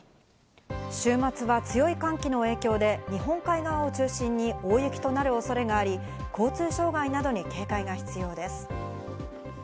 週末は強い寒気の影響で日本海側を中心に大雪となる恐れがあり、交通障害などに警戒が必要です。